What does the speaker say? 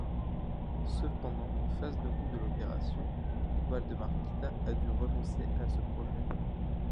Cependant face de coût de l'opération, Waldemar Kita a dû renoncer à ce projet.